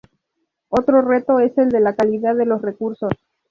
Otro reto es el de la calidad de los recursos.